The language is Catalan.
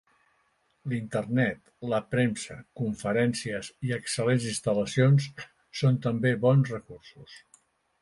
L'Internet, la premsa, conferències i excel·lents instal·lacions són també bons recursos.